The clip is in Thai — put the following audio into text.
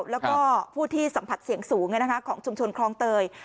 และก็ผู้ที่สัมผัสเสียงสูงเลยนะคะของชุมชนครองเตย